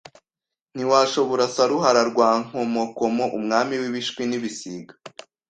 ntiwashobora Saruhara rwa Nkomokomo umwami w'ibishwi n'ibisiga